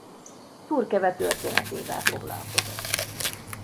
Túrkeve történetével foglalkozott.